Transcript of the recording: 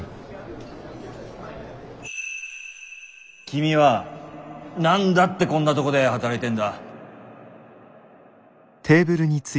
君は何だってこんなとこで働いてんだ？